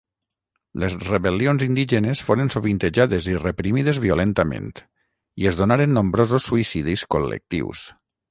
Les rebel·lions indígenes foren sovintejades i reprimides violentament, i es donaren nombrosos suïcidis col·lectius.